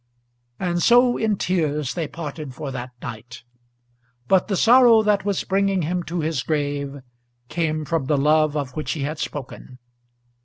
And so in tears they parted for that night. But the sorrow that was bringing him to his grave came from the love of which he had spoken.